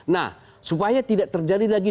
nah supaya tidak terjadi lagi